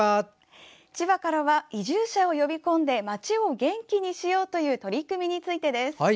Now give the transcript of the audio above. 千葉からは移住者を呼び込んで町を元気にしようという取り組みについてです。